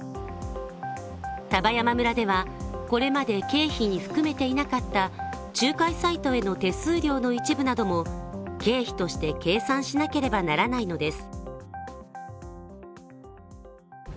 丹波山村ではこれまで経費に含めていなかった仲介サイトへの手数料の一部なども、経費として計算しなければならないのです。